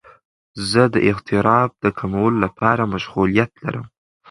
زه د اضطراب د کمولو لپاره مشغولیت لرم.